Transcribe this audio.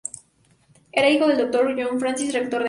Era hijo del Dr. John Francis, rector de St.